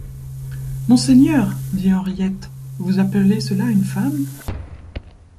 Monseigneur, dit Henriet, vous appelez cela une femme ?